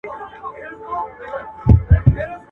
کرۍ ورځ به ومه ستړی ډکول مي ګودامونه.